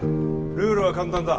ルールは簡単だ